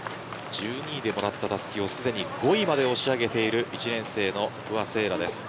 １２位でもらったたすきをすでに５位まで押し上げている１年生の不破です。